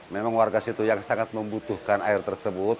memang warga situhiang sangat membutuhkan air tersebut